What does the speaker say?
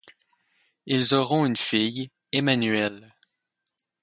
Ils auront une fille, Emmanuelle.